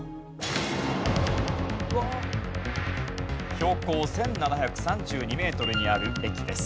標高１７３２メートルにある駅です。